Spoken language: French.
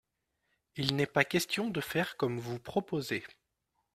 Il n’est pas question de faire comme vous proposez.